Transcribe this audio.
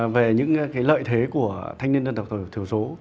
về những lợi thế của thanh niên dân tộc thiểu số